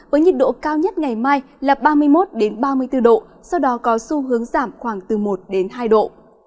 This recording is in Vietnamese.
thời tiết ngày mai là ba mươi một ba mươi bốn độ sau đó có xu hướng giảm khoảng từ một hai độ